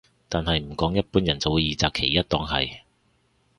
但係唔講一般人就會二擇其一當係